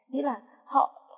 nghĩ là họ